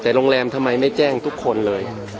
แต่โรงแรมทำไมไม่แจ้งทุกคนเลย